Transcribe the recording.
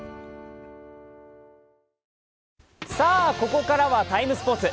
ここからは「ＴＩＭＥ，スポーツ」。